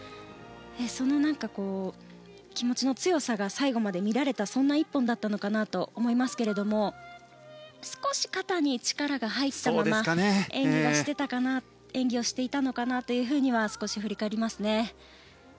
その気持ちの強さが最後まで見られたそんな一本だったのかなと思いますけれど少し肩に力が入ったまま演技をしていたのかなというふうには少し振り返りますね。